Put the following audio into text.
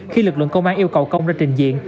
khi lực lượng công an yêu cầu công ra trình diện